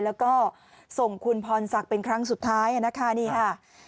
แล้วก็ส่งคุณพรศักดิ์เป็นครั้งสุดท้ายนะคะนี่ค่ะ